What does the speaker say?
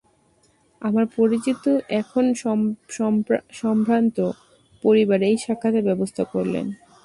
আমার পরিচিত এক সম্ভ্রান্ত পরিবার এই সাক্ষাতের ব্যবস্থা করলেন।